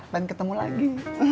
jangan ketemu lagi